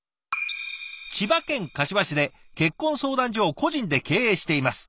「千葉県柏市で結婚相談所を個人で経営しています。